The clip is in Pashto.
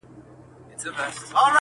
له لېوه خلاص سې قصاب دي بیايي -